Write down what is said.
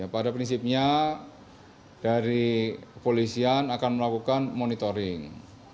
pada prinsipnya dari kepolisian akan melakukan monitoring